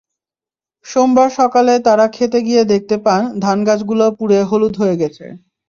সোমবার সকালে তাঁরা খেতে গিয়ে দেখতে পান, ধানগাছগুলো পুড়ে হলুদ হয়ে গেছে।